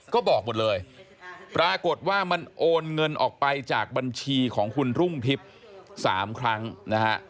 ก็บอกหมดเลยปรากฏว่ามันโอนเงินออกไปจากบัญชีของคุณรุ่งทิพย์๓ครั้งนะฮะ